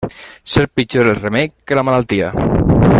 Ser pitjor el remei que la malaltia.